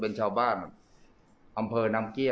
ตอนนี้ก็ไม่มีอัศวินทรีย์